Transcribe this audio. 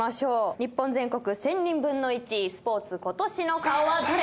『日本全国１０００人分の１位スポーツ今年の顔はダレ！？』